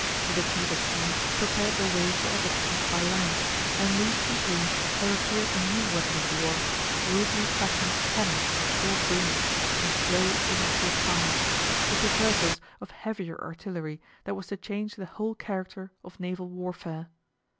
The defeat at sea prepared the way for other defeats by land, and in these campaigns there appeared a new weapon of war rudely fashioned cannon of short range and slow, inaccurate fire the precursors of heavier artillery that was to change the whole character of naval warfare.